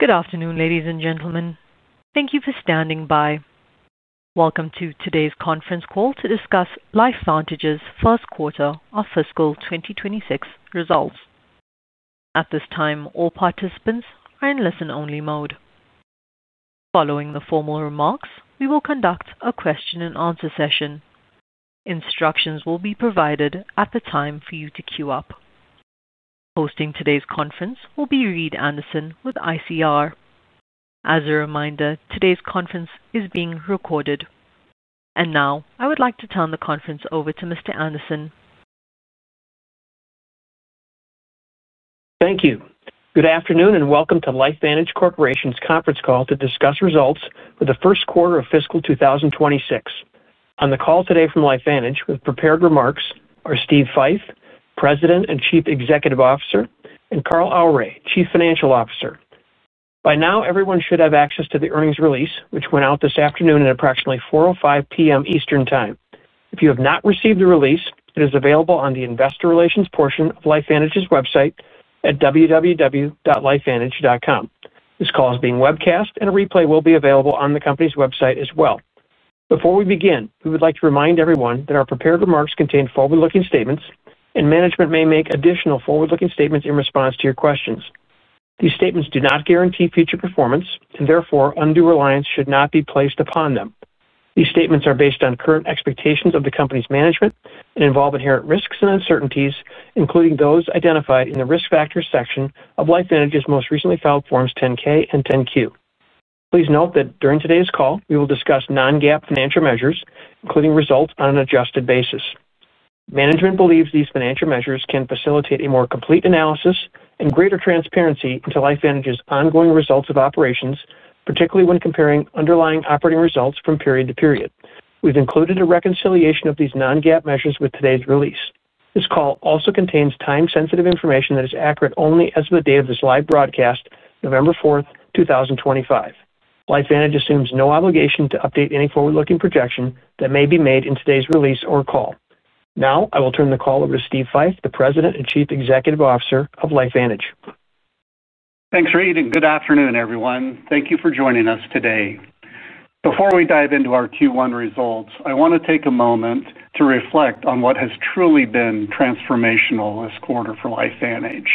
Good afternoon, ladies and gentlemen. Thank you for standing by. Welcome to today's conference call to discuss LifeVantage's first quarter of fiscal 2026 results. At this time, all participants are in listen-only mode. Following the formal remarks, we will conduct a question-and-answer session. Instructions will be provided at the time for you to queue up. Hosting today's conference will be Reed Anderson with ICR. As a reminder, today's conference is being recorded, and now, I would like to turn the conference over to Mr. Anderson. Thank you. Good afternoon, and welcome to LifeVantage Corporation's conference call to discuss results for the first quarter of fiscal 2026. On the call today from LifeVantage with prepared remarks are Steve Fife, President and Chief Executive Officer, and Carl Aure, Chief Financial Officer. By now, everyone should have access to the earnings release, which went out this afternoon at approximately 4:05 P.M. Eastern Time. If you have not received the release, it is available on the investor relations portion of LifeVantage's website at www.lifevantage.com. This call is being webcast, and a replay will be available on the company's website as well. Before we begin, we would like to remind everyone that our prepared remarks contain forward-looking statements, and management may make additional forward-looking statements in response to your questions. These statements do not guarantee future performance, and therefore, undue reliance should not be placed upon them. These statements are based on current expectations of the company's management and involve inherent risks and uncertainties, including those identified in the risk factors section of LifeVantage's most recently filed Forms 10-K and 10-Q. Please note that during today's call, we will discuss non-GAAP financial measures, including results on an adjusted basis. Management believes these financial measures can facilitate a more complete analysis and greater transparency into LifeVantage's ongoing results of operations, particularly when comparing underlying operating results from period to period. We have included a reconciliation of these non-GAAP measures with today's release. This call also contains time-sensitive information that is accurate only as of the date of this live broadcast, November 4th, 2025. LifeVantage assumes no obligation to update any forward-looking projection that may be made in today's release or call. Now, I will turn the call over to Steve Fife, the President and Chief Executive Officer of LifeVantage. Thanks, Reed. And good afternoon, everyone. Thank you for joining us today. Before we dive into our Q1 results, I want to take a moment to reflect on what has truly been transformational this quarter for LifeVantage.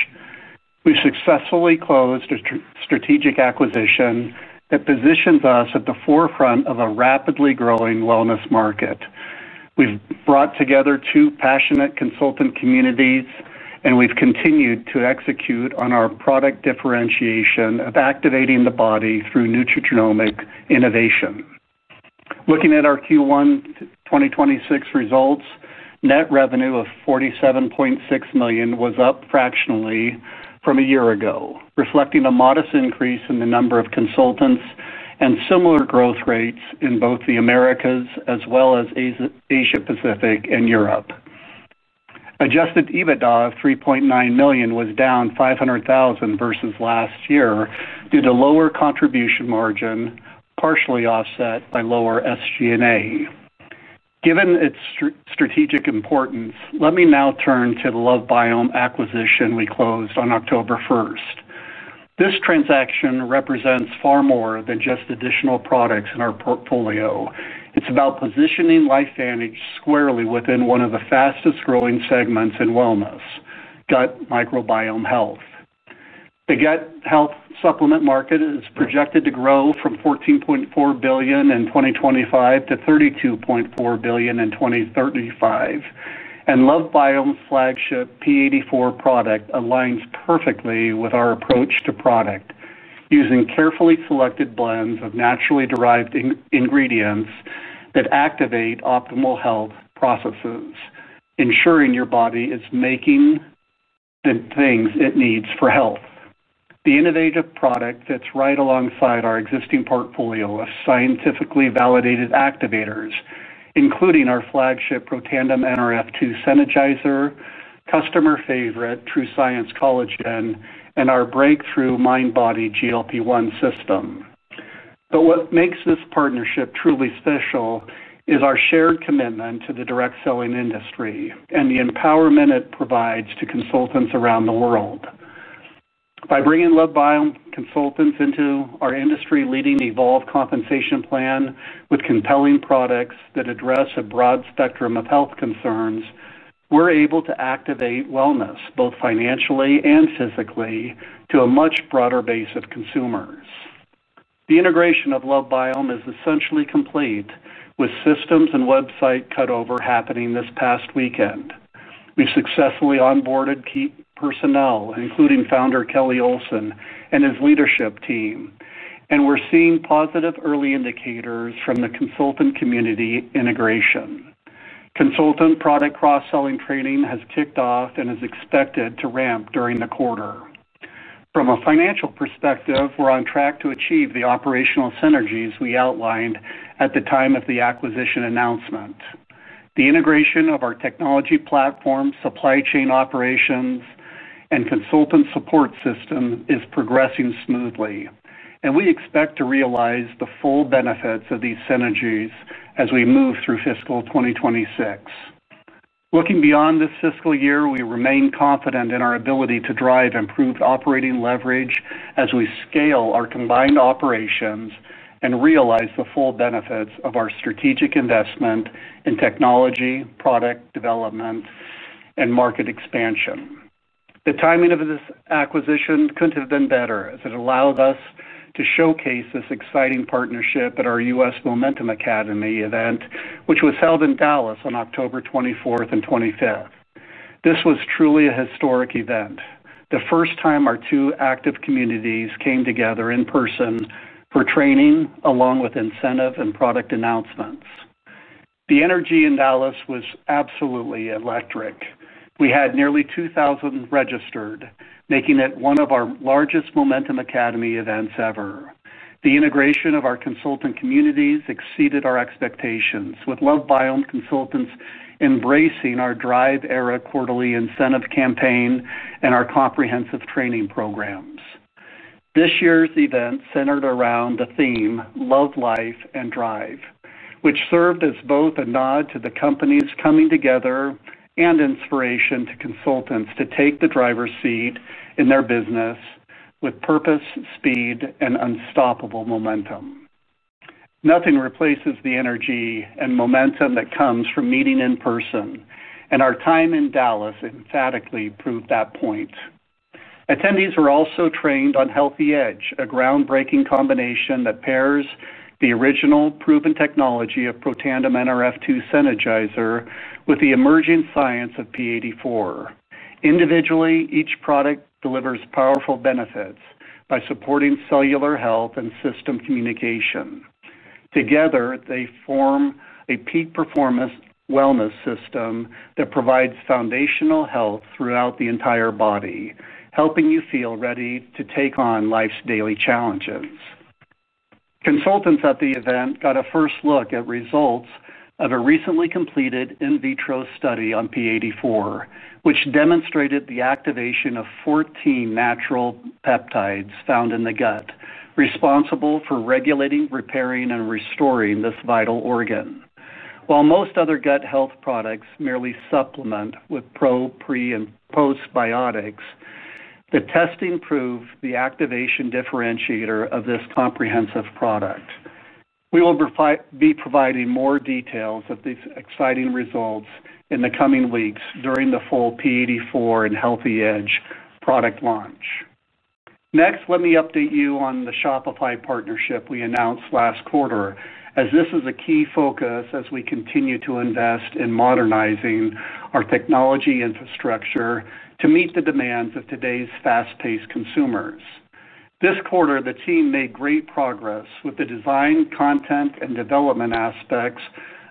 We successfully closed a strategic acquisition that positions us at the forefront of a rapidly growing wellness market. We've brought together two passionate consultant communities, and we've continued to execute on our product differentiation of activating the body through nutrigenomic innovation. Looking at our Q1 2026 results, net revenue of $47.6 million was up fractionally from a year ago, reflecting a modest increase in the number of consultants and similar growth rates in both the Americas as well as Asia-Pacific and Europe. Adjusted EBITDA of $3.9 million was down $500,000 versus last year due to lower contribution margin, partially offset by lower SG&A. Given its strategic importance, let me now turn to the LoveBiome acquisition we closed on October 1st. This transaction represents far more than just additional products in our portfolio. It's about positioning LifeVantage squarely within one of the fastest-growing segments in wellness: gut microbiome health. The gut health supplement market is projected to grow from $14.4 billion in 2025 to $32.4 billion in 2035. And LoveBiome's flagship P84 product aligns perfectly with our approach to product, using carefully selected blends of naturally derived ingredients that activate optimal health processes, ensuring your body is making the things it needs for health. The innovative product fits right alongside our existing portfolio of scientifically validated activators, including our flagship Protandim Nrf2 Synergizer, customer favorite TrueScience Collagen, and our breakthrough MindBody GLP-1 System. But what makes this partnership truly special is our shared commitment to the direct-selling industry and the empowerment it provides to consultants around the world. By bringing LoveBiome consultants into our industry-leading Evolve Compensation Plan with compelling products that address a broad spectrum of health concerns, we're able to activate wellness both financially and physically to a much broader base of consumers. The integration of LoveBiome is essentially complete, with systems and website cutover happening this past weekend. We successfully onboarded key personnel, including founder Kelly Olsen and his leadership team, and we're seeing positive early indicators from the consultant community integration. Consultant product cross-selling training has kicked off and is expected to ramp during the quarter. From a financial perspective, we're on track to achieve the operational synergies we outlined at the time of the acquisition announcement. The integration of our technology platform, supply chain operations, and consultant support system is progressing smoothly, and we expect to realize the full benefits of these synergies as we move through fiscal 2026. Looking beyond this fiscal year, we remain confident in our ability to drive improved operating leverage as we scale our combined operations and realize the full benefits of our strategic investment in technology, product development, and market expansion. The timing of this acquisition couldn't have been better, as it allowed us to showcase this exciting partnership at our U.S. Momentum Academy event, which was held in Dallas on October 24th and 25th. This was truly a historic event, the first time our two active communities came together in person for training along with incentive and product announcements. The energy in Dallas was absolutely electric. We had nearly 2,000 registered, making it one of our largest Momentum Academy events ever. The integration of our consultant communities exceeded our expectations, with LoveBiome consultants embracing our Drive-era quarterly incentive campaign and our comprehensive training programs. This year's event centered around the theme "Love, Life, and Drive," which served as both a nod to the company's coming together and inspiration to consultants to take the driver's seat in their business. With purpose, speed, and unstoppable momentum. Nothing replaces the energy and momentum that comes from meeting in person, and our time in Dallas emphatically proved that point. Attendees were also trained on Healthy Edge, a groundbreaking combination that pairs the original proven technology of Protandim Nrf2 Synergizer with the emerging science of P84. Individually, each product delivers powerful benefits by supporting cellular health and system communication. Together, they form a peak-performance wellness system that provides foundational health throughout the entire body, helping you feel ready to take on life's daily challenges. Consultants at the event got a first look at results of a recently completed in-vitro study on P84, which demonstrated the activation of 14 natural peptides found in the gut responsible for regulating, repairing, and restoring this vital organ. While most other gut health products merely supplement with pro, pre, and postbiotics, the testing proved the activation differentiator of this comprehensive product. We will be providing more details of these exciting results in the coming weeks during the full P84 and Healthy Edge product launch. Next, let me update you on the Shopify partnership we announced last quarter, as this is a key focus as we continue to invest in modernizing our technology infrastructure to meet the demands of today's fast-paced consumers. This quarter, the team made great progress with the design, content, and development aspects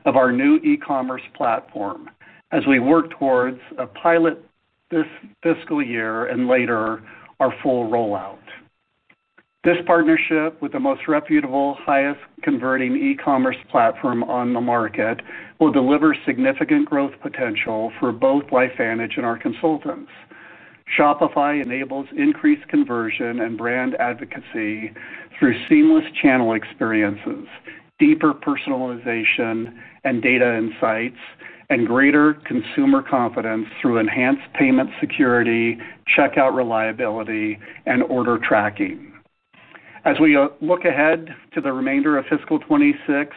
of our new e-commerce platform as we work towards a pilot. This fiscal year and later, our full rollout. This partnership with the most reputable, highest-converting e-commerce platform on the market will deliver significant growth potential for both LifeVantage and our consultants. Shopify enables increased conversion and brand advocacy through seamless channel experiences, deeper personalization and data insights, and greater consumer confidence through enhanced payment security, checkout reliability, and order tracking. As we look ahead to the remainder of fiscal 2026,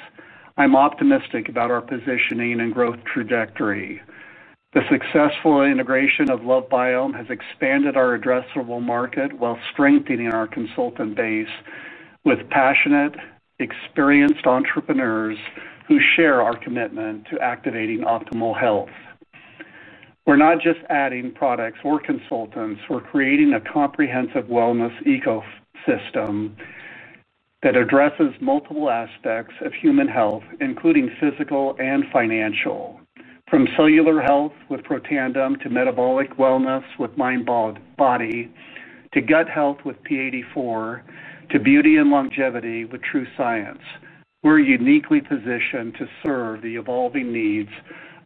I'm optimistic about our positioning and growth trajectory. The successful integration of LoveBiome has expanded our addressable market while strengthening our consultant base with passionate, experienced entrepreneurs who share our commitment to activating optimal health. We're not just adding products or consultants; we're creating a comprehensive wellness ecosystem. That addresses multiple aspects of human health, including physical and financial. From cellular health with Protandim to metabolic wellness with MindBody to gut health with P84 to beauty and longevity with TrueScience, we're uniquely positioned to serve the evolving needs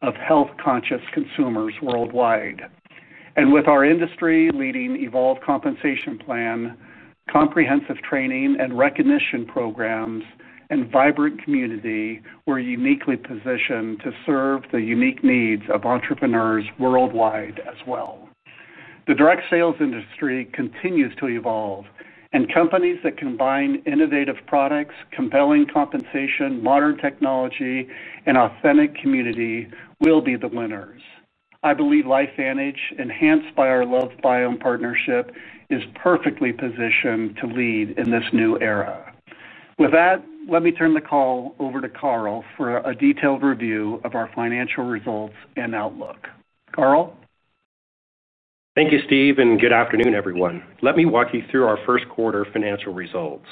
of health-conscious consumers worldwide. And with our industry-leading Evolve Compensation Plan, comprehensive training and recognition programs, and vibrant community, we're uniquely positioned to serve the unique needs of entrepreneurs worldwide as well. The direct sales industry continues to evolve, and companies that combine innovative products, compelling compensation, modern technology, and authentic community will be the winners. I believe LifeVantage, enhanced by our LoveBiome partnership, is perfectly positioned to lead in this new era. With that, let me turn the call over to Carl for a detailed review of our financial results and outlook. Carl. Thank you, Steve, and good afternoon, everyone. Let me walk you through our first quarter financial results.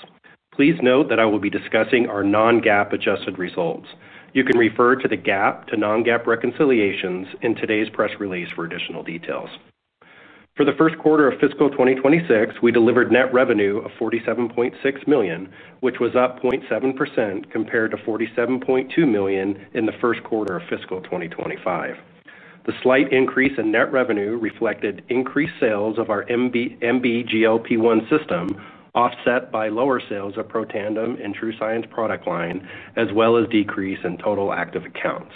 Please note that I will be discussing our non-GAAP adjusted results. You can refer to the GAAP to non-GAAP reconciliations in today's press release for additional details. For the first quarter of fiscal 2026, we delivered net revenue of $47.6 million, which was up 0.7% compared to $47.2 million in the first quarter of fiscal 2025. The slight increase in net revenue reflected increased sales of our MindBody GLP-1 System, offset by lower sales of Protandim and TrueScience product line, as well as a decrease in total active accounts.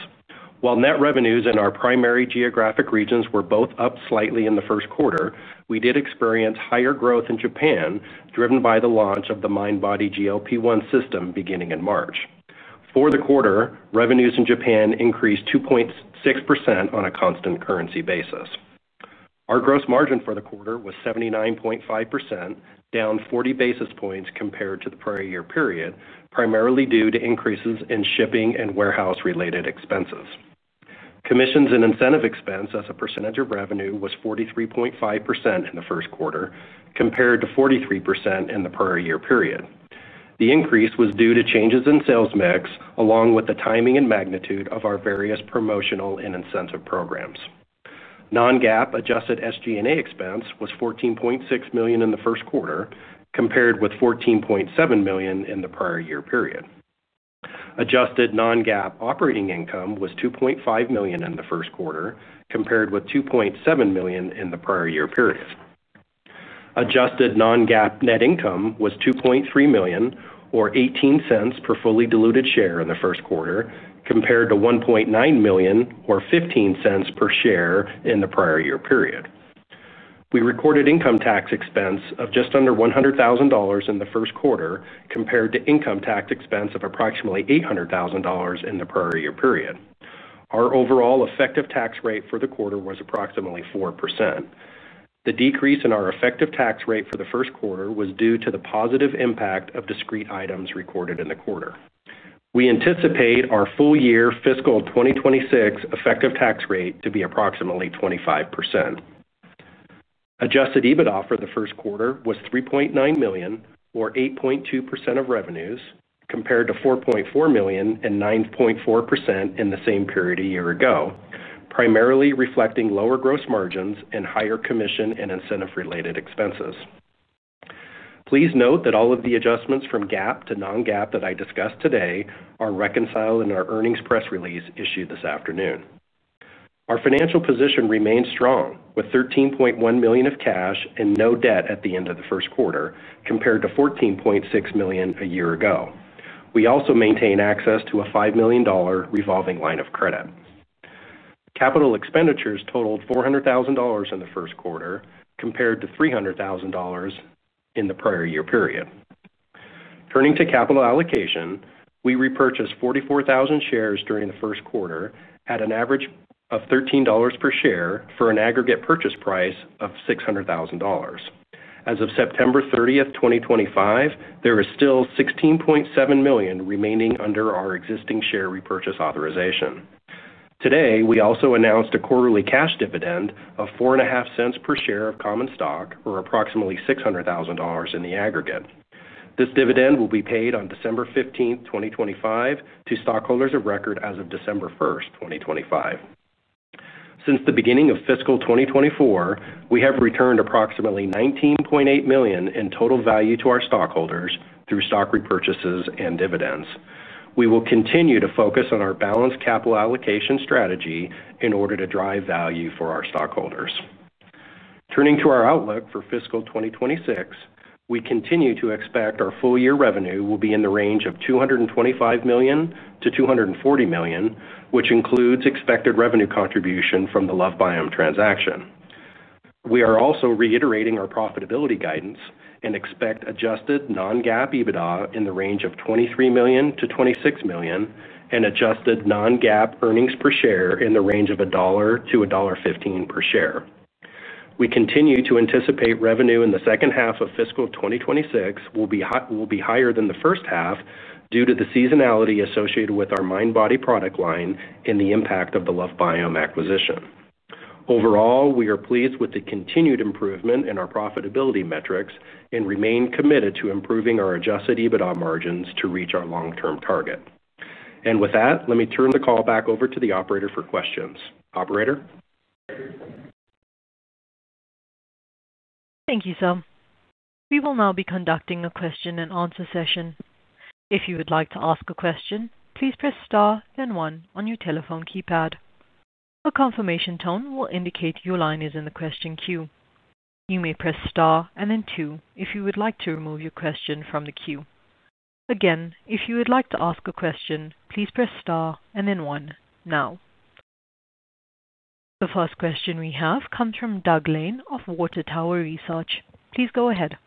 While net revenues in our primary geographic regions were both up slightly in the first quarter, we did experience higher growth in Japan, driven by the launch of the MindBody GLP-1 System beginning in March. For the quarter, revenues in Japan increased 2.6% on a constant currency basis. Our gross margin for the quarter was 79.5%, down 40 basis points compared to the prior year period, primarily due to increases in shipping and warehouse-related expenses. Commissions and incentive expense as a percentage of revenue was 43.5% in the first quarter, compared to 43% in the prior year period. The increase was due to changes in sales mix, along with the timing and magnitude of our various promotional and incentive programs. Non-GAAP adjusted SG&A expense was $14.6 million in the first quarter, compared with $14.7 million in the prior year period. Adjusted non-GAAP operating income was $2.5 million in the first quarter, compared with $2.7 million in the prior year period. Adjusted non-GAAP net income was $2.3 million, or $0.18 per fully diluted share in the first quarter, compared to $1.9 million, or $0.15 per share in the prior year period. We recorded income tax expense of just under $100,000 in the first quarter, compared to income tax expense of approximately $800,000 in the prior year period. Our overall effective tax rate for the quarter was approximately 4%. The decrease in our effective tax rate for the first quarter was due to the positive impact of discrete items recorded in the quarter. We anticipate our full year fiscal 2026 effective tax rate to be approximately 25%. Adjusted EBITDA for the first quarter was $3.9 million, or 8.2% of revenues, compared to $4.4 million and 9.4% in the same period a year ago, primarily reflecting lower gross margins and higher commission and incentive-related expenses. Please note that all of the adjustments from GAAP to non-GAAP that I discussed today are reconciled in our earnings press release issued this afternoon. Our financial position remains strong, with $13.1 million of cash and no debt at the end of the first quarter, compared to $14.6 million a year ago. We also maintain access to a $5 million revolving line of credit. Capital expenditures totaled $400,000 in the first quarter, compared to $300,000 in the prior year period. Turning to capital allocation, we repurchased 44,000 shares during the first quarter at an average of $13 per share for an aggregate purchase price of $600,000. As of September 30th, 2025, there is still 16.7 million remaining under our existing share repurchase authorization. Today, we also announced a quarterly cash dividend of $0.045 per share of common stock, or approximately $600,000 in the aggregate. This dividend will be paid on December 15th, 2025, to stockholders of record as of December 1st, 2025. Since the beginning of fiscal 2024, we have returned approximately $19.8 million in total value to our stockholders through stock repurchases and dividends. We will continue to focus on our balanced capital allocation strategy in order to drive value for our stockholders. Turning to our outlook for fiscal 2026, we continue to expect our full year revenue will be in the range of $225 million-$240 million, which includes expected revenue contribution from the LoveBiome transaction. We are also reiterating our profitability guidance and expect adjusted non-GAAP EBITDA in the range of $23 million-$26 million and adjusted non-GAAP earnings per share in the range of $1-$1.15 per share. We continue to anticipate revenue in the second half of fiscal 2026 will be higher than the first half due to the seasonality associated with our MindBody product line and the impact of the LoveBiome acquisition. Overall, we are pleased with the continued improvement in our profitability metrics and remain committed to improving our adjusted EBITDA margins to reach our long-term target. And with that, let me turn the call back over to the operator for questions. Operator. Thank you, sir. We will now be conducting a question and answer session. If you would like to ask a question, please press star and one on your telephone keypad. A confirmation tone will indicate your line is in the question queue. You may press star and then two if you would like to remove your question from the queue. Again, if you would like to ask a question, please press star and then one now. The first question we have comes from Doug Lane of Water Tower Research. Please go ahead.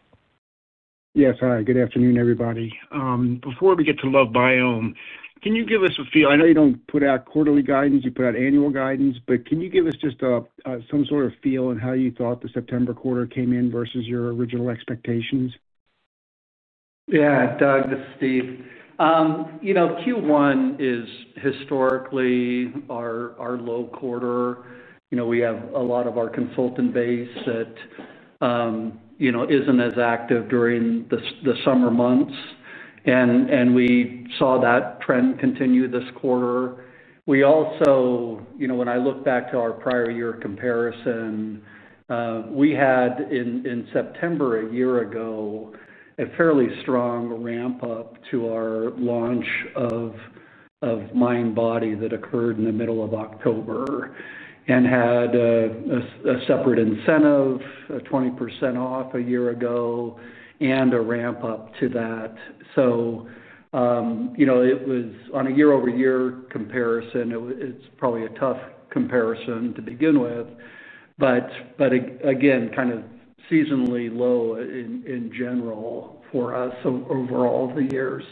Yes, hi. Good afternoon, everybody. Before we get to LoveBiome, can you give us a feel? I know you don't put out quarterly guidance. You put out annual guidance, but can you give us just some sort of feel on how you thought the September quarter came in versus your original expectations? Yeah, Doug, this is Steve. Q1 is historically our low quarter. We have a lot of our consultant base that isn't as active during the summer months, and we saw that trend continue this quarter. Also, when I look back to our prior year comparison, we had in September a year ago a fairly strong ramp-up to our launch of MindBody that occurred in the middle of October, and had a separate incentive, 20% off a year ago, and a ramp-up to that. So it was on a year-over-year comparison, it's probably a tough comparison to begin with, but again, kind of seasonally low in general for us over all the years.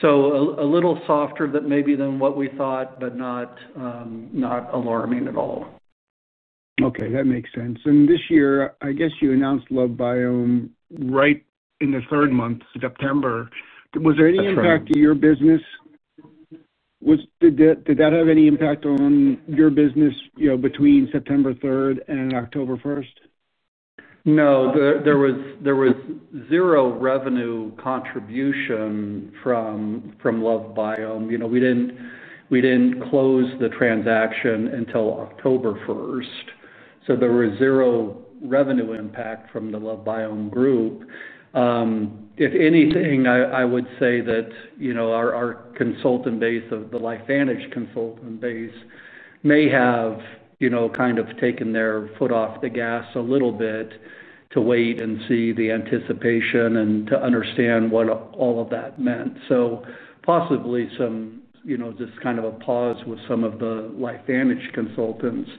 So a little softer than maybe what we thought, but not alarming at all. Okay. That makes sense. And this year, I guess you announced LoveBiome right in the third month, September. Was there any impact to your business? Did that have any impact on your business between September 3rd and October 1st? No. There was zero revenue contribution from LoveBiome. We didn't close the transaction until October 1st, so there was zero revenue impact from the LoveBiome group. If anything, I would say that our consultant base, the LifeVantage consultant base, may have kind of taken their foot off the gas a little bit to wait and see the anticipation and to understand what all of that meant, so possibly some just kind of a pause with some of the LifeVantage consultants,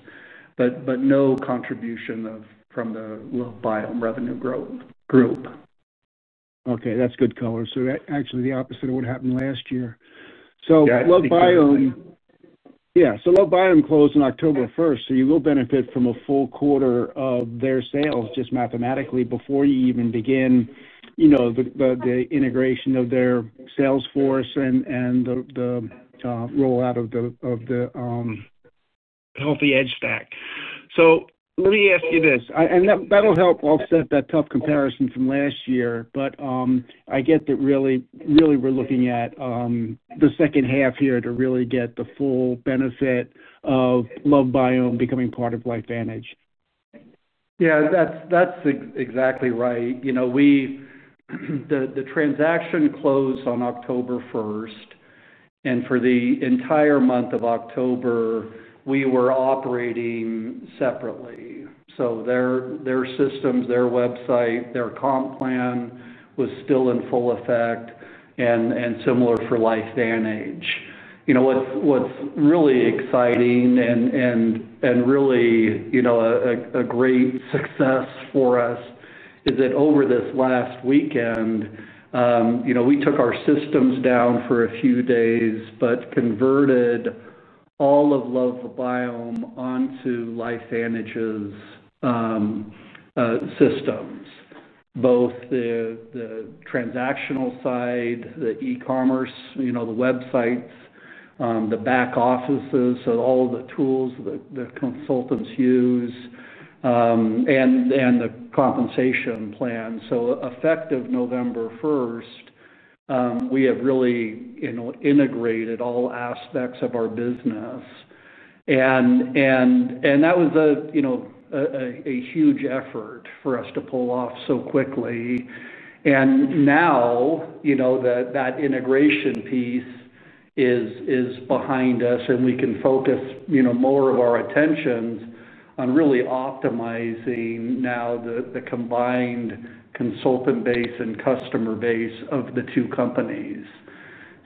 but no contribution from the LoveBiome revenue growth group. Okay. That's good color. So actually the opposite of what happened last year. Yeah. So LoveBiome closed on October 1st, so you will benefit from a full quarter of their sales just mathematically before you even begin. The integration of their sales force and the rollout of the Healthy Edge stack. So let me ask you this, and that'll help offset that tough comparison from last year, but I get that really we're looking at the second half here to really get the full benefit of LoveBiome becoming part of LifeVantage. Yeah. That's exactly right. The transaction closed on October 1st, and for the entire month of October, we were operating separately. So their systems, their website, their comp plan was still in full effect, and similar for LifeVantage. What's really exciting and really a great success for us is that over this last weekend we took our systems down for a few days but converted all of LoveBiome onto LifeVantage's systems, both the transactional side, the e-commerce, the websites, the back offices, so all the tools that the consultants use, and the compensation plan. So effective November 1st we have really integrated all aspects of our business. And that was a huge effort for us to pull off so quickly. And now that integration piece is behind us, and we can focus more of our attention on really optimizing now the combined consultant base and customer base of the two companies.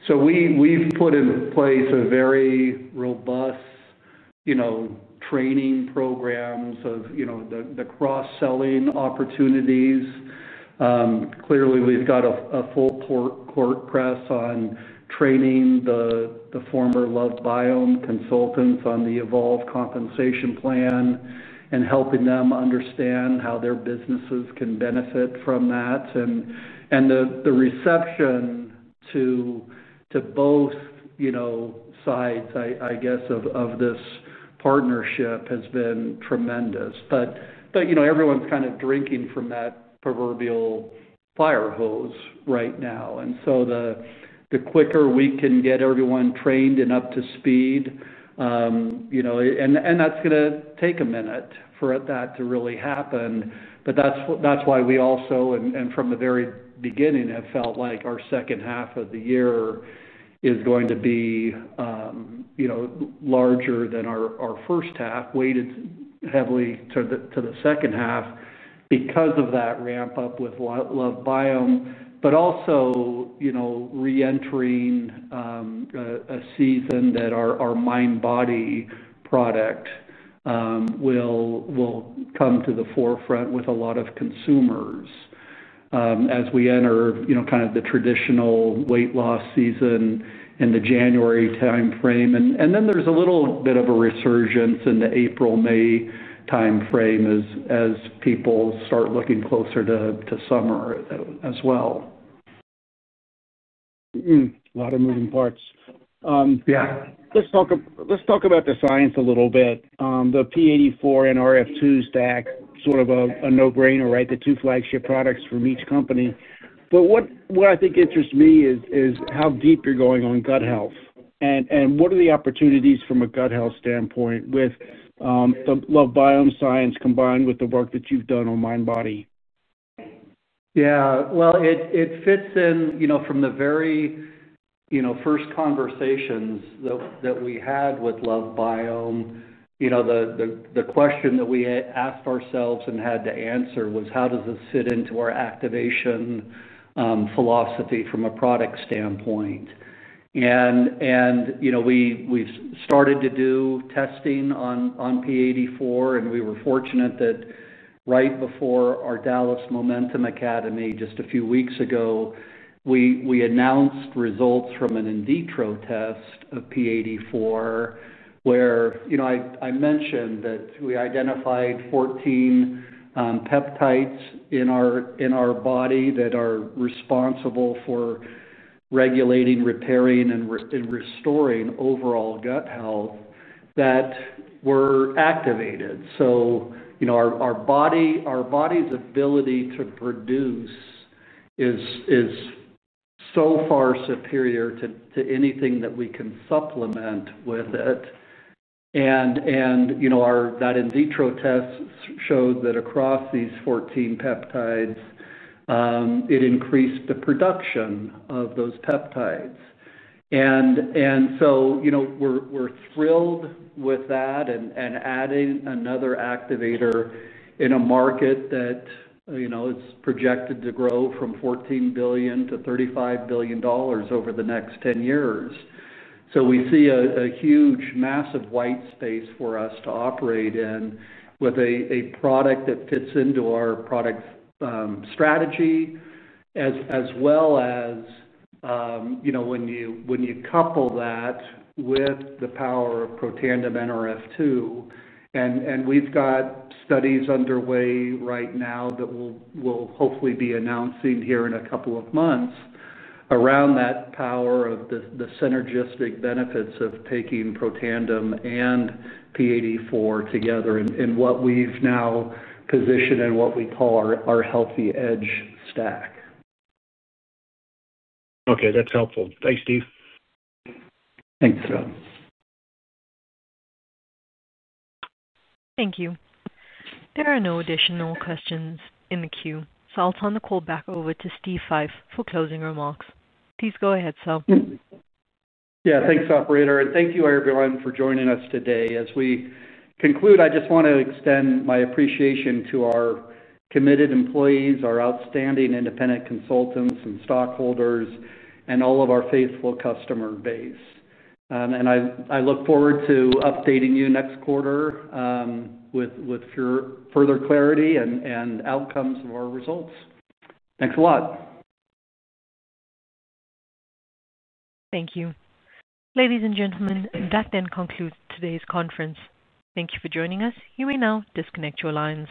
So we've put in place a very robust training program of the cross-selling opportunities. Clearly, we've got a full court press on training the former LoveBiome consultants on the Evolve Compensation Plan. And helping them understand how their businesses can benefit from that. And the reception to both sides, I guess, of this partnership has been tremendous. But everyone's kind of drinking from that proverbial fire hose right now. And so the quicker we can get everyone trained and up to speed and that's going to take a minute for that to really happen. But that's why we also, and from the very beginning, have felt like our second half of the year is going to be larger than our first half, weighted heavily to the second half because of that ramp-up with LoveBiome, but also re-entering a season that our MindBody product will come to the forefront with a lot of consumers. As we enter kind of the traditional weight loss season in the January timeframe. And then there's a little bit of a resurgence in the April, May timeframe as people start looking closer to summer as well. A lot of moving parts. Yeah. Let's talk about the science a little bit. The P84 and Nrf2 stack, sort of a no-brainer, right? The two flagship products from each company. But what I think interests me is how deep you're going on gut health and what are the opportunities from a gut health standpoint with the LoveBiome science combined with the work that you've done on MindBody? Yeah. Well, it fits in from the very first conversations that we had with LoveBiome. The question that we asked ourselves and had to answer was, how does this fit into our activation philosophy from a product standpoint? And we've started to do testing on P84, and we were fortunate that right before our Dallas Momentum Academy, just a few weeks ago, we announced results from an in vitro test of P84, where I mentioned that we identified 14 peptides in our body that are responsible for regulating, repairing, and restoring overall gut health that were activated. So our body's ability to produce is so far superior to anything that we can supplement with it. And that in vitro test showed that across these 14 peptides, it increased the production of those peptides. And so we're thrilled with that and adding another activator in a market that is projected to grow from $14 billion-$35 billion over the next 10 years. So we see a huge, massive white space for us to operate in with a product that fits into our product strategy as well as when you couple that with the power of Protandim Nrf2. And we've got studies underway right now that will hopefully be announcing here in a couple of months around that power of the synergistic benefits of taking Protandim and P84 together in what we've now positioned and what we call our Healthy Edge stack. Okay. That's helpful. Thanks, Steve. Thanks, sir. Thank you. There are no additional questions in the queue. So I'll turn the call back over to Steve Fife for closing remarks. Please go ahead, sir. Yeah. Thanks, operator. And thank you, everyone, for joining us today. As we conclude, I just want to extend my appreciation to our committed employees, our outstanding independent consultants and stockholders, and all of our faithful customer base. And I look forward to updating you next quarter. With further clarity and outcomes of our results. Thanks a lot. Thank you. Ladies and gentlemen, that then concludes today's conference. Thank you for joining us. You may now disconnect your lines.